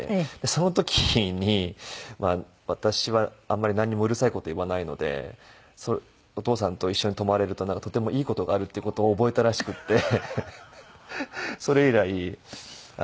その時に私はあんまり何もうるさい事言わないのでお父さんと一緒に泊まれるととてもいい事があるっていう事を覚えたらしくってそれ以来。